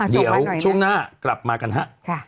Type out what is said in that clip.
เดี๋ยวช่วงหน้ากลับมากันฮะ